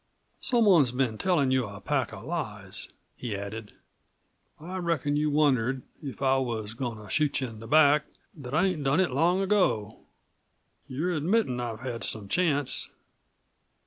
"Someone's been tellin' you a pack of lies," he added. "I reckon you've wondered, if I was goin' to shoot you in the back, that I ain't done it long ago. You're admittin' that I've had some chance."